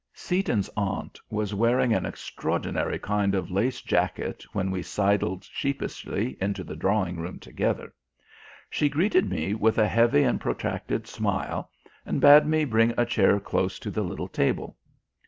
Seaton's aunt was wearing an extraordinary kind of lace jacket when we sidled sheepishly into the drawing room together. She greeted me with a heavy and protracted smile, and bade me bring a chair close to the little table.